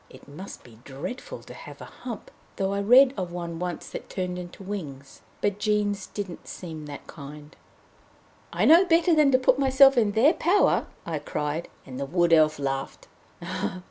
It must be dreadful to have a hump, though I read of one once that turned into wings. But Jean's didn't seem that kind. "I know better than to put myself in their power," I cried, and the Wood Elf laughed.